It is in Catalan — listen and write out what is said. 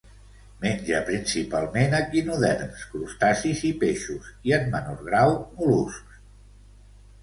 Menja principalment equinoderms, crustacis i peixos, i, en menor grau, mol·luscs.